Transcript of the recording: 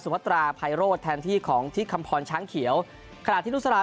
สุภัตราไพโร่แทนที่ของทิปคำพรช้างเขียวขณะที่ลุศรา